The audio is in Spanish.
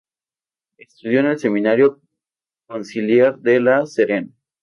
Estudió en el Seminario Conciliar de La Serena.